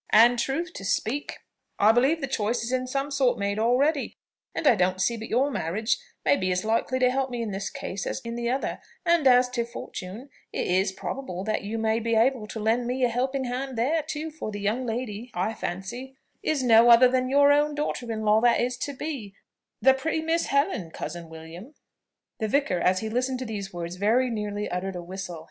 And, truth to speak, I believe the choice is in some sort made already; and I don't see but your marriage may be as likely to help me in this case as in the other; and as to fortune, it is probable that you may be able to lend me a helping hand there, too; for the young lady, I fancy, is no other than your own daughter in law that is to be the pretty Miss Helen, cousin William?" The vicar as he listened to these words, very nearly uttered a whistle.